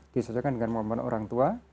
disesuaikan dengan momen orang tua